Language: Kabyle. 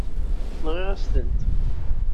Nɣiɣ-asen-ten.